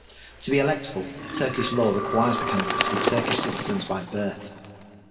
To be electable, Turkish law requires the candidates to be Turkish citizens by birth.